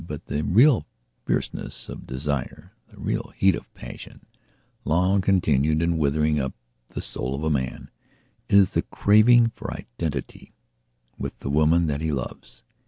But the real fierceness of desire, the real heat of a passion long continued and withering up the soul of a man is the craving for identity with the woman that he loves.